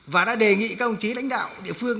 và đã đề nghị các ông chí lãnh đạo địa phương